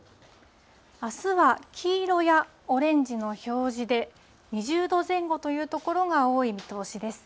あすは黄色やオレンジの表示で、２０度前後という所が多い見通しです。